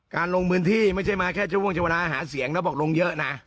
การลงบืนที่ไม่ใช่มาแค่เจ้าว่างเจ้าวราหาเสียงแล้วบอกลงเยอะนะ